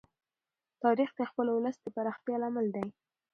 تاریخ د خپل ولس د پراختیا لامل دی.